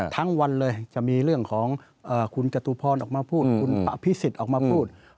ทั้งวันเลยจะมีเรื่องของคุณจตุพรออกมาพูดคุณอภิษฎออกมาพูด